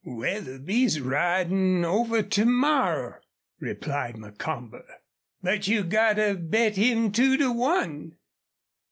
"Wetherby's ridin' over to morrow," replied Macomber. "But you gotta bet him two to one."